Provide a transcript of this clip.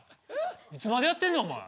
いつまでやってんねんお前。